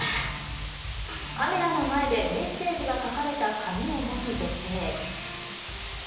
今後の捜査カメラの前でメッセージが書かれた紙を持つ女性。